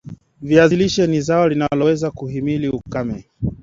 viazi lishe ni zao linaloweza kuhimili ukame